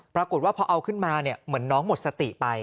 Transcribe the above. ปรากฏว่าพอเอาขึ้นมาเหมือนน้องหมดสติไป